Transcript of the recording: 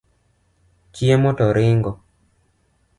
Chiemo to ringo.